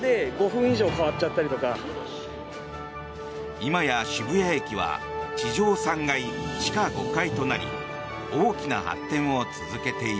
今や渋谷駅は地上３階地下５階となり大きな発展を続けている。